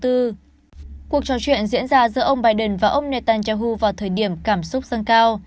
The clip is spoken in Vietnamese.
cuộc trò chuyện diễn ra giữa ông biden và ông netanyahu vào thời điểm cảm xúc dâng cao